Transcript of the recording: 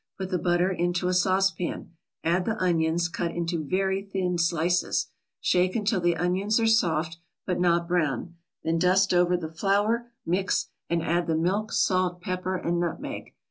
Put the butter into a saucepan, add the onions, cut into very thin slices; shake until the onions are soft, but not brown, then dust over the flour, mix, and add the milk, salt, pepper and nutmeg.